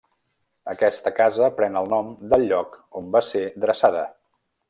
Aquesta casa pren el nom del lloc on va ser dreçada.